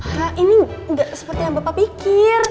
pak ini enggak seperti yang bapak pikir